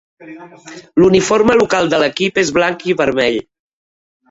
L'uniforme local de l'equip és blanc i vermell.